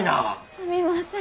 すんません。